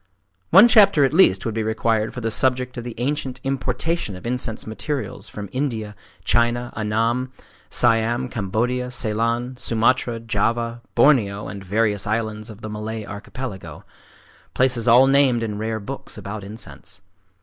One chapter at least would be required for the subject of the ancient importation of incense materials from India, China, Annam, Siam, Cambodia, Ceylon, Sumatra, Java, Borneo, and various islands of the Malay archipelago,—places all named in rare books about incense.